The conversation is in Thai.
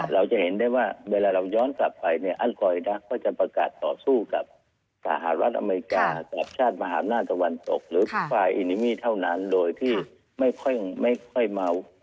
เราจะเห็นได้ว่าเวลาเราย้อนกลับไปเนี่ยอันกอยดักก็จะประกาศต่อสู้กับสหรัฐอเมริกากับชาติมหาอำนาจตะวันตกหรือฝ่ายอินิมี่เท่านั้นโดยที่ไม่ค่อยเมา